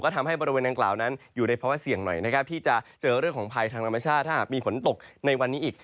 ทำให้บริเวณดังกล่าวนั้นอยู่ในภาวะเสี่ยงหน่อยนะครับที่จะเจอเรื่องของภัยทางธรรมชาติถ้าหากมีฝนตกในวันนี้อีก